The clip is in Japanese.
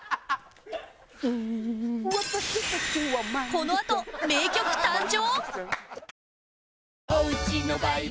このあと迷曲誕生？